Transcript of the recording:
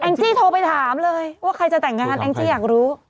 จี้โทรไปถามเลยว่าใครจะแต่งงานแองจี้อยากรู้